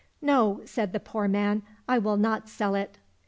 —" No," said the poor man, " I will not sell it."